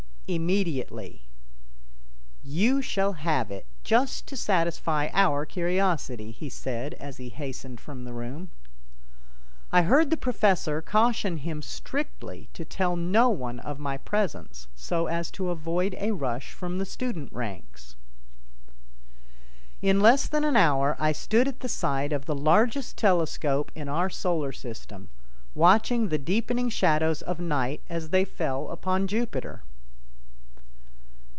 "Immediately." "You shall have it, just to satisfy our curiosity," he said as he hastened from the room. I heard the professor caution him strictly to tell no one of my presence, so as to avoid a rush from the student ranks. In less than an hour I stood at the side of the largest telescope in our Solar System, watching the deepening shadows of night as they fell upon Jupiter.